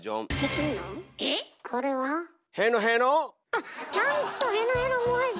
あっちゃんと「へのへのもへじ」